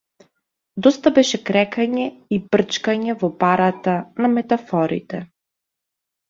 Доста беше крекање и брчкање во барата на метафорите.